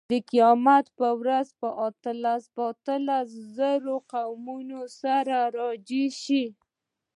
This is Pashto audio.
د قیامت په ورځ به اتلس زره قومونه سره راجمع شي.